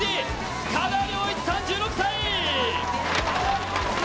塚田僚一３６歳。